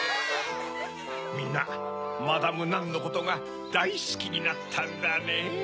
みんなマダム・ナンのことがだいすきになったんだねぇ。